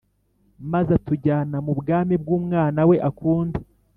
maze atujyana mu bwami bw’Umwana we akunda